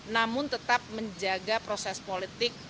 namun tetap menjaga proses politik